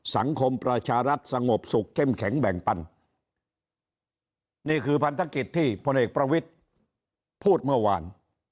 สังคมประชารัฐสงบสุขเข้มแข็งแบ่งปันนี่คือพันธกิจที่พลเอกประวิทธิ์พูดเมื่อวาน